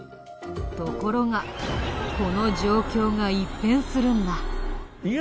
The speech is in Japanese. ところがこの状況が一変するんだ。